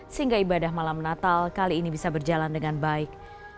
sehingga ibadah malam natal kali ini bisa berjalan dengan baik